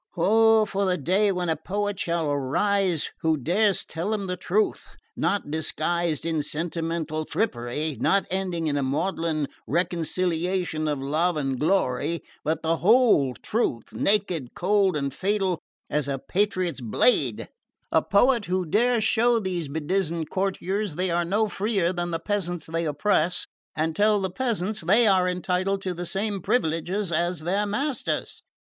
Oh, for the day when a poet shall arise who dares tell them the truth, not disguised in sentimental frippery, not ending in a maudlin reconciliation of love and glory but the whole truth, naked, cold and fatal as a patriot's blade; a poet who dares show these bedizened courtiers they are no freer than the peasants they oppress, and tell the peasants they are entitled to the same privileges as their masters!"